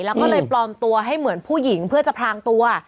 แล้วก็เลยปลอมตัวให้เหมือนผู้หญิงเพื่อจะพรางตัว